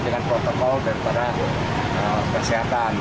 dengan protokol daripada kesehatan